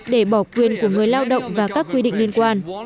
để bỏ quyền của người lao động và các quy định liên quan